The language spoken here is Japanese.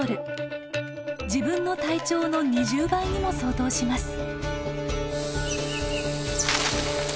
自分の体長の２０倍にも相当します。